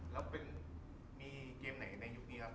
แล้วมีเกมไหนในยุคนี้ครับ